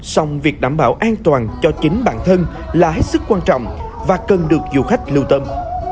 song việc đảm bảo an toàn cho chính bản thân là hết sức quan trọng và cần được du khách lưu tâm